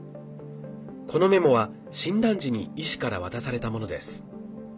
このメモは、診断時に医師から渡されたものです。